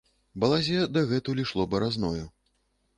Балазе дагэтуль ішло баразною.